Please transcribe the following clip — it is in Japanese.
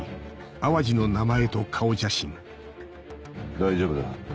大丈夫だ。